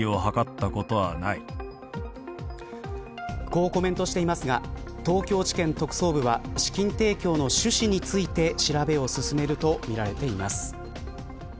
こうコメントしていますが東京地検特捜部は資金提供の趣旨について調べを進めるとみられています。